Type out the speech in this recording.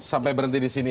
sampai berhenti disini